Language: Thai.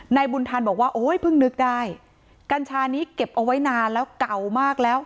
บุญทันบอกว่าโอ้ยเพิ่งนึกได้กัญชานี้เก็บเอาไว้นานแล้วเก่ามากแล้ว